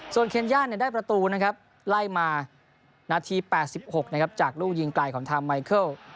ส่วนเคนย่าได้ประตูนะครับไล่มานาที๘๖นะครับจากลูกยิงไกลของทางไมเคิล